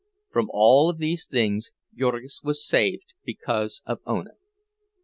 From all of these things Jurgis was saved because of Ona.